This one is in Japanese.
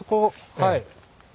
はい。